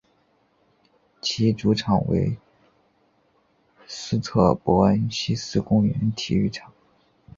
其主场为斯特伯恩希思公园体育场。